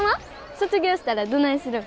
卒業したらどないするん？